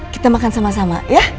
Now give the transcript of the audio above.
kita makan sama sama ya